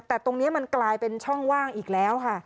แต่ตรงนี้มันกลายเป็นช่องว่างอีกแล้วค่ะ